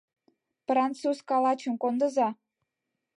Прансуз калачым кондыза.